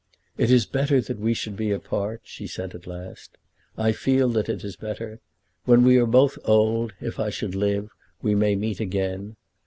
"It is better that we should be apart," she said at last. "I feel that it is better. When we are both old, if I should live, we may meet again.